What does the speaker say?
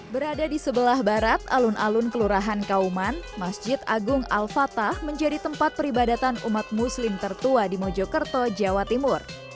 berada di sebelah barat alun alun kelurahan kauman masjid agung al fatah menjadi tempat peribadatan umat muslim tertua di mojokerto jawa timur